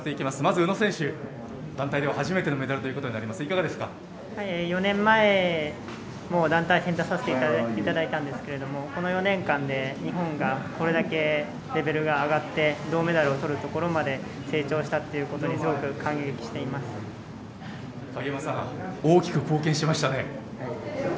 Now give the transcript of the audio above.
まず宇野選手、団体では初めてのメダルということになります、４年前も団体戦に出させていただいたんですけれども、この４年間で日本がこれだけレベルが上がって、銅メダルをとるところまで成長したっていうことで、鍵山さん、大きく貢献しましたね。